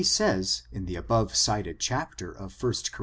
295 says, in the above cited chapter of 1 Cor.